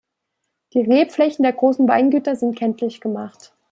Die Rebflächen der großen Weingüter sind kenntlich gemacht.